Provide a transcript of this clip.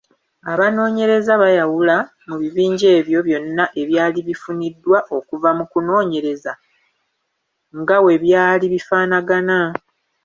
Abanoonyereza bayawula mu bibinja ebyo byonna ebyali bifuniddwa okuva mu kunoonyereza nga we byali bifaanagana.